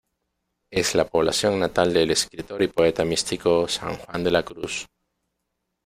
Es la población natal del escritor y poeta místico San Juan de la Cruz.